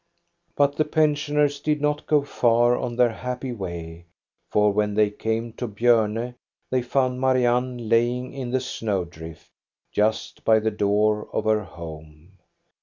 But the pensioners did not go far on their happy way, for when they came to Bjorne, they found Marianne lying in the snow drift, just by the door of her home.